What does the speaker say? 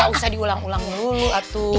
gak usah diulang ulang dulu